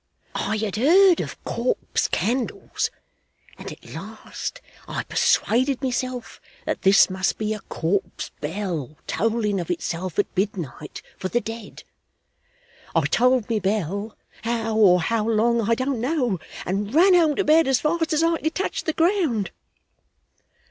I had heard of corpse candles, and at last I persuaded myself that this must be a corpse bell tolling of itself at midnight for the dead. I tolled my bell how, or how long, I don't know and ran home to bed as fast as I could touch the ground.